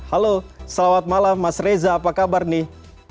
halo selamat malam mas reza apa kabar nih